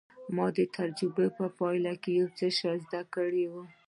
ما د تجربو په پايله کې يو څه زده کړي وو.